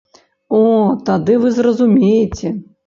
О, тады вы зразумееце.